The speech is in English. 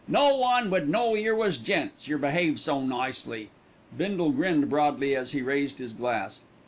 No one would know yer was gents, yer behave so nicely." Bindle grinned broadly as he raised his glass.